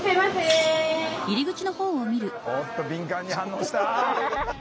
おっと敏感に反応した。